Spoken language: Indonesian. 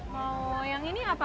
mau yang ini apa